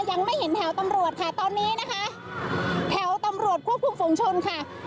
ยังไม่เห็นแถวตำรวจค่ะตอนนี้นะคะแถวตำรวจควบคุมฝุงชนค่ะ